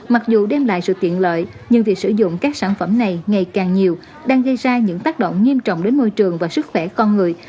mặc dù đem lại sự tiện lợi nhưng việc sử dụng các sản phẩm này ngày càng nhiều đang gây ra những tác động nghiêm trọng đến môi trường và sức khỏe con người